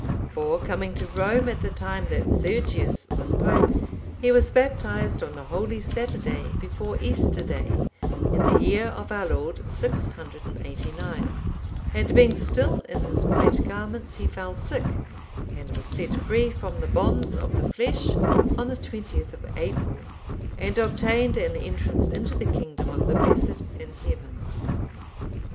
For coming to Rome, at the time that Sergius(795) was pope, he was baptized on the Holy Saturday before Easter Day,(796) in the year of our Lord 689, and being still in his white garments,(797) he fell sick, and was set free from the bonds of the flesh on the 20th of April, and obtained an entrance into the kingdom of the blessed in Heaven.